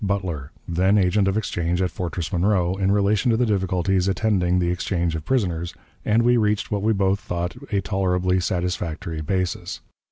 Butler, then agent of exchange at Fortress Monroe, in relation to the difficulties attending the exchange of prisoners, and we reached what we both thought a tolerably satisfactory basis.